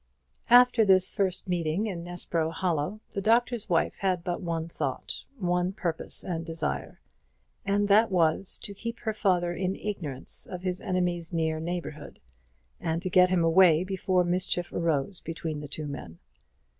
After this first meeting in Nessborough Hollow, the Doctor's Wife had but one thought, one purpose and desire; and that was, to keep her father in ignorance of his enemy's near neighbourhood, and to get him away before mischief arose between the two men.